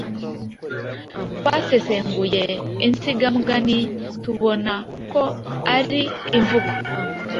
Twasesenguye insigamugani, tubona ko ari imvugo